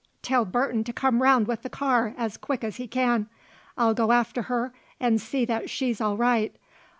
Tell Burton to come round with the car as quick as he can. I'll go after her and see that she's all right.